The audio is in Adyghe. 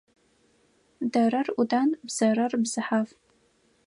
Дэрэр Ӏудан, бзэрэр бзыхьаф.